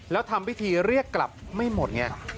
แล้วทำพิธีเรียกกลับไม่หมดไง